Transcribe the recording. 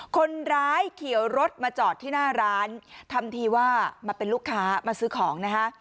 คนร้ายเขียวรถมาจอดที่หน้าร้านทำทีว่ามาเป็นลูกค้ามาซื้อของนะคะ